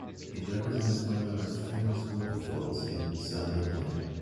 It represents one of the most famous waterfalls in Sardinia.